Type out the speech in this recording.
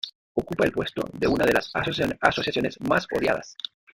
ocupa el puesto de una de las asociaciones más odiadas